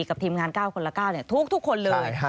ทีมงาน๙คนละ๙ทุกคนเลย